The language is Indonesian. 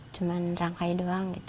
cuma rangkai doang